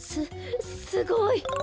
すすごい！